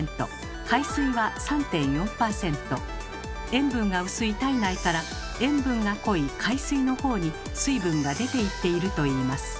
塩分が薄い体内から塩分が濃い海水の方に水分が出ていっているといいます。